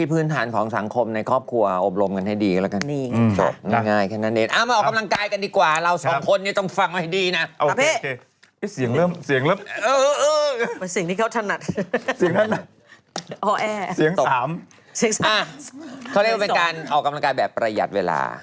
เขาเรียกว่าเป็นการออกกำลังกายแบบประหยัดเวลา